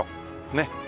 ねっ。